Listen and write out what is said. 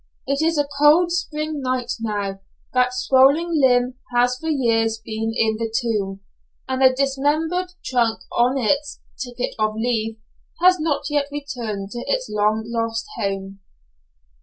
It is a cold spring night now; that swollen limb has for years been in the tomb, and the dismembered trunk, on its "Ticket of Leave," has not yet returned to its long lost home.